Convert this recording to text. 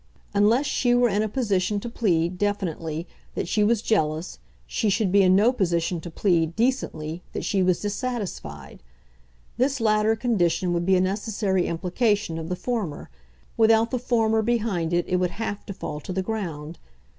Unless she were in a position to plead, definitely, that she was jealous she should be in no position to plead, decently, that she was dissatisfied. This latter condition would be a necessary implication of the former; without the former behind it it would HAVE to fall to the ground.